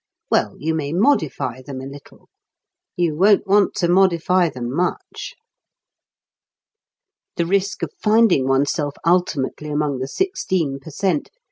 Well, you may modify them a little you won't want to modify them much. The risk of finding one's self ultimately among the sixteen per cent.